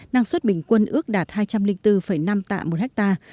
năng suất bình quân ước đạt hai trăm linh bốn năm tạ một hectare